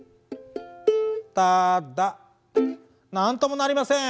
ただなんともなりません！